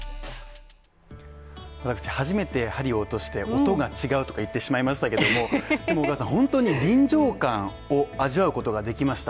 私初めて針を落として音が違うとか言ってしまいましたけれども、本当に臨場感を味わうことができました。